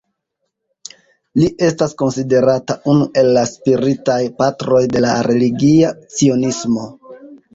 Li estas konsiderata unu el la spiritaj patroj de la religia cionismo.